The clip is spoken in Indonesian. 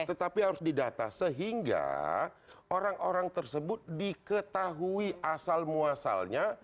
tetapi harus didata sehingga orang orang tersebut diketahui asal muasalnya